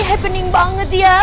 happening banget ya